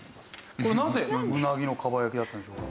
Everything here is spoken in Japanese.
これなぜうなぎの蒲焼きだったんでしょうか？